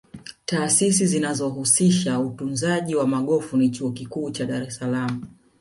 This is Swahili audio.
taasisi zinazohasisha utunzaji wa magofu ni chuo Kikuu cha dar es salaam